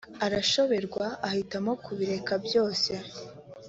arashoberwa ahitamo kubireka byose.